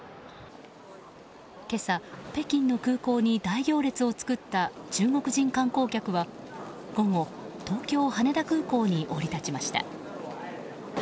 今朝、北京の空港に大行列を作った中国人観光客は午後、東京・羽田空港に降り立ちました。